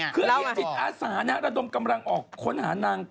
คือมีจิตอาสาระดมกำลังออกค้นหานาง